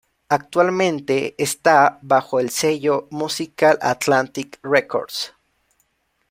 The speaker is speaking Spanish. Actualmente está bajo el sello musical Atlantic Records.